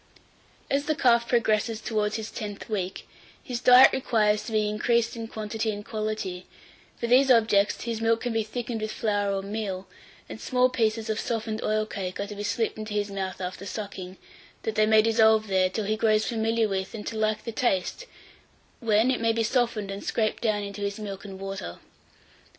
852. AS THE CALF PROGRESSES TOWARDS HIS TENTH WEEK, his diet requires to be increased in quantity and quality; for these objects, his milk can be thickened with flour or meal, and small pieces of softened oil cake are to be slipped into his mouth after sucking, that they may dissolve there, till he grows familiar with, and to like the taste, when it may be softened and scraped down into his milk and water.